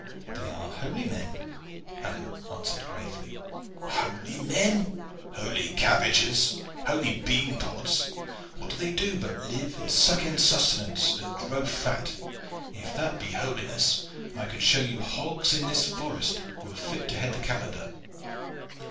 "They are holy men," Alleyne answered gravely. "Holy men? Holy cabbages! Holy bean pods! What do they do but live and suck in sustenance and grow fat? If that be holiness, I could show you hogs in this forest who are fit to head the calendar.